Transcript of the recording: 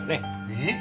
えっ？